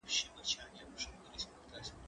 زه مخکي کار کړی و،